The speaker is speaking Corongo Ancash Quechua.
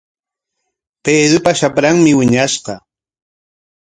Pedropa shapranmi wiñashqa.